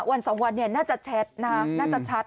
วันสองวันน่าจะแชท